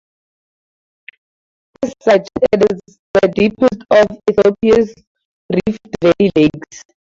As such, it is the deepest of Ethiopia's Rift Valley lakes.